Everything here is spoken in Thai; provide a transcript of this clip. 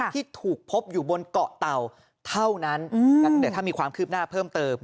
ที่ถูกพบอยู่บนเกาะเต่าเท่านั้นเดี๋ยวถ้ามีความคืบหน้าเพิ่มเติม